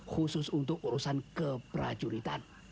khusus untuk urusan keperajuritan